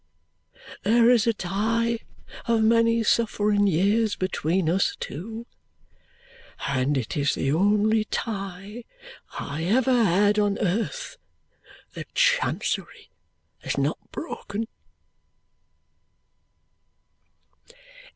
There is a tie of many suffering years between us two, and it is the only tie I ever had on earth that Chancery has not broken!"